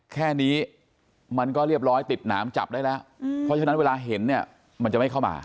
แค่นี้มันก็เรียบร้อยติดหนามจับได้แล้วเพราะฉะนั้นเวลาเห็นเนี่ยมันจะไม่เข้ามา